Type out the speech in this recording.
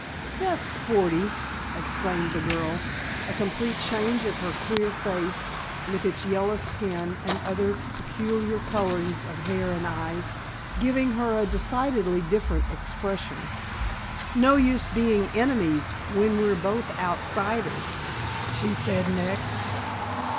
"That's sporty!" exclaimed the girl, a complete change of her queer face, with its yellow skin and other peculiar colorings of hair and eyes, giving her a decidedly different expression. "No use being enemies, when we're both outsiders," she said next.